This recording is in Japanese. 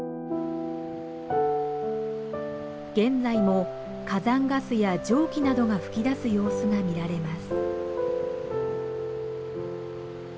現在も火山ガスや蒸気などが噴き出す様子が見られます。